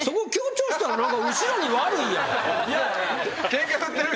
ケンカ売ってる。